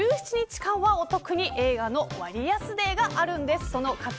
１カ月１７日間はお得に映画の割安デーがあるんです。